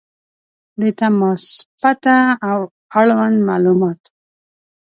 • د تماس پته او اړوند معلومات